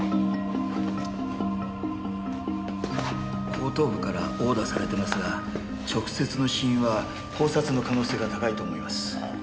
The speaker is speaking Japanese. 後頭部から殴打されてますが直接の死因は絞殺の可能性が高いと思います。